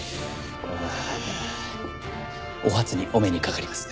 ああお初にお目にかかります。